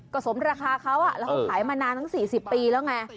ก็สมราคาเขาแล้วเขาขายมานานตั้ง๔๐ปีแล้วไง